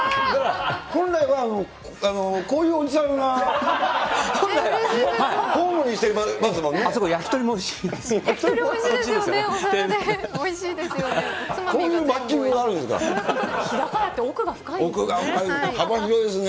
本来は、こういうおじさんがホームにしてますもんね。